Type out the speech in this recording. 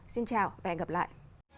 xin chào và hẹn gặp lại